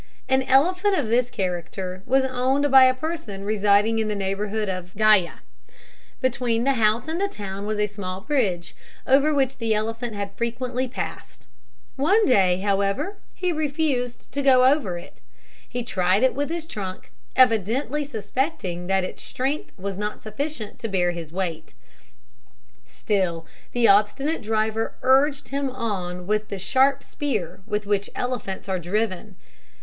An elephant of this character was owned by a person residing in the neighbourhood of Gyah. Between the house and the town was a small bridge, over which the elephant had frequently passed. One day, however, he refused to go over. He tried it with his trunk, evidently suspecting that its strength was not sufficient to bear his weight. Still, the obstinate driver urged him on with the sharp spear with which elephants are driven.